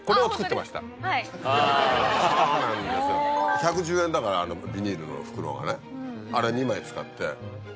１１０円だからあのビニールの袋がねあれ２枚使って。